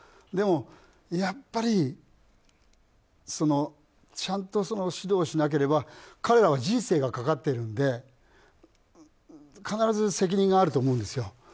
でも、やっぱりちゃんと指導しなければ彼らは人生がかかっているので必ず責任があると思うんですよ。